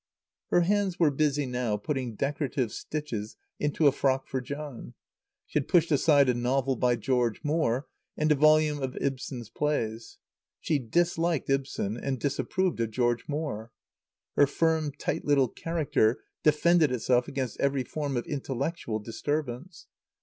Her hands were busy now putting decorative stitches into a frock for John. She had pushed aside a novel by George Moore and a volume of Ibsen's plays. She disliked Ibsen and disapproved of George Moore. Her firm, tight little character defended itself against every form of intellectual disturbance.